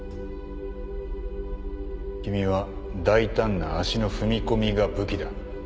君は大胆な足の踏み込みが武器だ。